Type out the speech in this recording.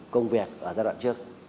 công việc ở giai đoạn trước